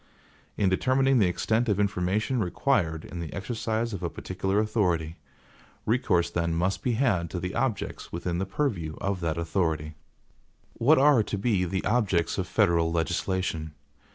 In determining the extent of information required in the exercise of a particular authority, recourse then must be had to the objects within the purview of that authority. What are to be the objects of federal legislation?